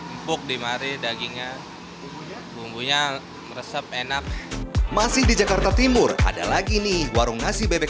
empuk dimari dagingnya bumbunya meresep enak masih di jakarta timur ada lagi nih warung nasi bebek